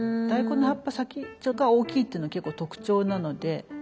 大根の葉っぱ先が大きいっていうの結構特徴なので。